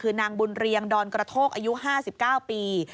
คือนางบุญเรียงดอนกระโทกอายุ๕๙ปี